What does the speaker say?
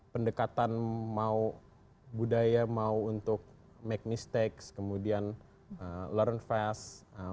pendekatan mau budaya mau untuk make mistakes kemudian learn fast